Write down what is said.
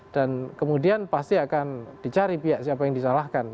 dan kemudian pasti akan dicari pihak siapa yang disalahkan